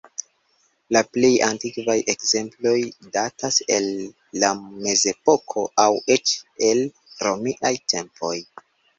La plej antikvaj ekzemploj datas el la Mezepoko, aŭ eĉ el romiaj tempoj.